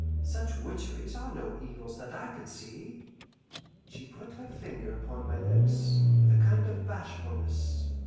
"Such witcheries are no evils that I can see." She put her finger upon my lips, with a kind of bashfulness.